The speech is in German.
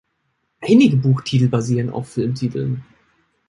Einige Buchtitel basieren auf Filmtiteln.